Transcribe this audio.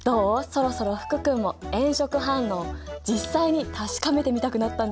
そろそろ福君も炎色反応実際に確かめてみたくなったんじゃない？